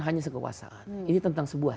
hanya sekewasaan ini tentang sebuah